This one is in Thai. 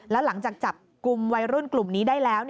แล้วหลังจากจับกลุ่มวัยรุ่นกลุ่มนี้ได้แล้ว